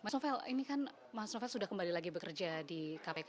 mas novel ini kan mas novel sudah kembali lagi bekerja di kpk